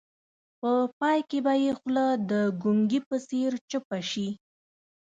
په پای کې به یې خوله د ګونګي په څېر چپه شي.